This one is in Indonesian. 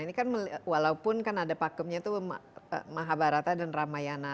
ini kan walaupun kan ada pakemnya itu mahabharata dan ramayana